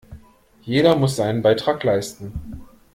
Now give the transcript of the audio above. Jeder muss seinen Beitrag leisten.